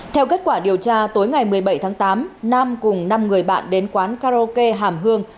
theo kết quả điều tra tối ngày một mươi bảy tháng tám nam cùng năm người bạn đến quán karaoke hàm hương